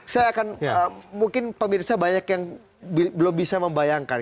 saya akan mungkin pemirsa banyak yang belum bisa membayangkan